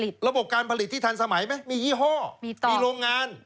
ระบบการผลิตที่ทันสมัยไหมมียี่ห้อมีโรงงาน